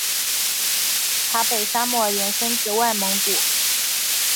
察北沙漠延伸至外蒙古。